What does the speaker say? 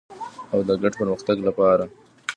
او د ګډ پرمختګ لپاره.